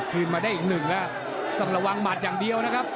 คืนมาได้อีกหนึ่งแล้วต้องระวังหมัดอย่างเดียวนะครับ